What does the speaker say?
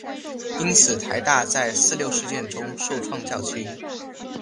因此台大在四六事件中受创较轻。